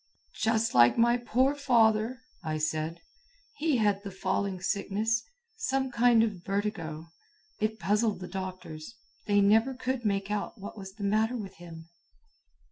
"Just like my poor father," I said. "He had the falling sickness. Some kind of vertigo. It puzzled the doctors. They never could make out what was the matter with him."